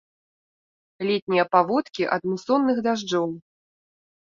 Летнія паводкі ад мусонных дажджоў.